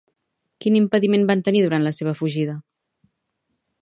Quin impediment van tenir durant la seva fugida?